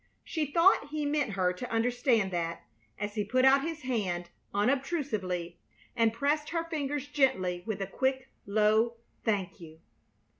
She thought he meant her to understand that, as he put out his hand unobtrusively and pressed her fingers gently with a quick, low "Thank you!"